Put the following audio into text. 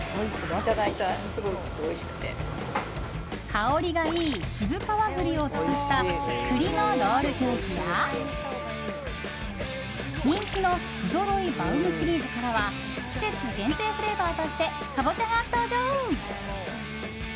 香りがいい渋皮栗を使った栗のロールケーキや人気の不揃いバウムシリーズからは季節限定フレーバーとしてかぼちゃが登場！